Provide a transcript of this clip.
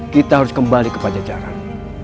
kita harus kembali ke pajajaran